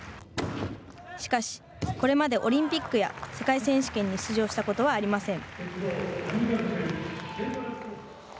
しかし、これまでオリンピックや世界選手権出場したことはありません。